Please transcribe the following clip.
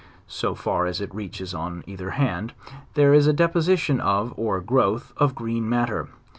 so far as it reaches on. either hand, there is a deposition of, or growth, of green matter.